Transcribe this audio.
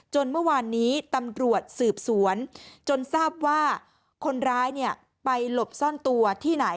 เมื่อวานนี้ตำรวจสืบสวนจนทราบว่าคนร้ายไปหลบซ่อนตัวที่ไหน